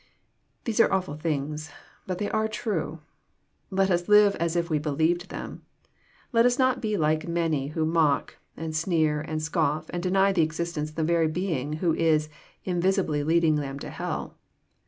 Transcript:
These are awful things ; but they are true. Let us live as if we believed them. Let us not be like many who mock, and sneer, and scoff, and deny the existence of the very being who is invisibly leading them to hell.